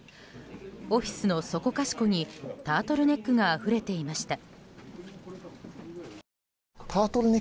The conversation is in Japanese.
オフィスのそこかしこにタートルネックがあふれていました。